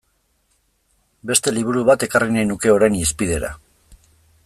Beste liburu bat ekarri nahi nuke orain hizpidera.